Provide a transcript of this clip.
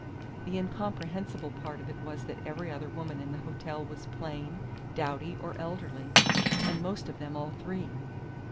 The incomprehensible part of it was that every other woman in the hotel was plain, dowdy or elderly and most of them all three.